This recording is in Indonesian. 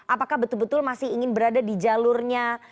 apakah betul betul masih ingin berada di jalurnya